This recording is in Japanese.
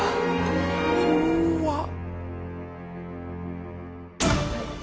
怖っ！